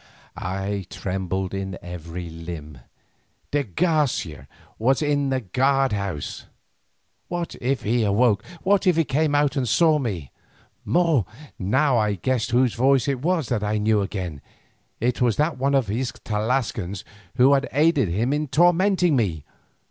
I trembled in every limb; de Garcia was in the guardhouse! What if he awoke, what if he came out and saw me? More—now I guessed whose voice it was that I knew again; it was that of one of those Tlascalans who had aided in tormenting me.